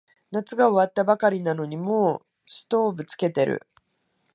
夏が終わったばかりなのにもうストーブつけてる